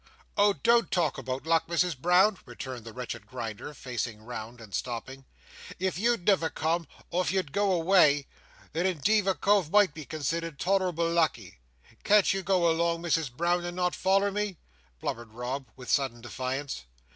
"Oh don't talk about luck, Misses Brown," returned the wretched Grinder, facing round and stopping. "If you'd never come, or if you'd go away, then indeed a cove might be considered tolerable lucky. Can't you go along, Misses Brown, and not foller me!" blubbered Rob, with sudden defiance.